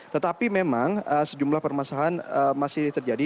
tetapi memang sejumlah permasalahan masih terjadi